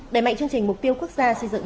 đẩy mạnh chương trình mục tiêu quốc gia xây dựng